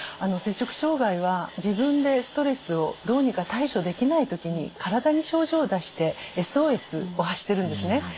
摂食障害は自分でストレスをどうにか対処できない時に体に症状を出してＳＯＳを発してるんですね。